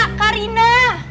oh kak rina